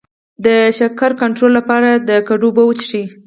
د شکر کنټرول لپاره د کدو اوبه وڅښئ